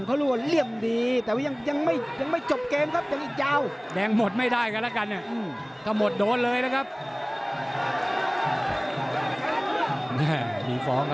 มีฟ้องครับมีฟ้องนิดหนึ่ง